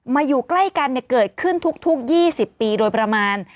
อยู่ใกล้กันเกิดขึ้นทุก๒๐ปีโดยประมาณ